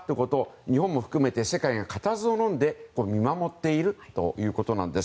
日本も含めて世界が固唾をのんで見守っているということなんです。